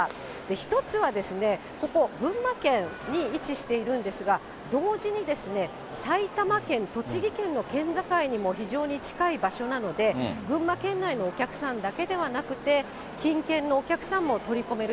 １つはここ、群馬県に位置しているんですが、同時に埼玉県、栃木県の県境にも非常に近い場所なので、群馬県内のお客さんだけではなくて、近県のお客さんも取り込める